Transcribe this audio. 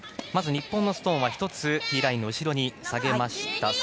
まず日本のストーンは１つティーラインの後ろに下げました。